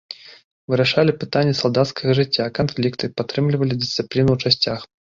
Вырашалі пытанні салдацкага жыцця, канфлікты, падтрымлівалі дысцыпліну ў часцях.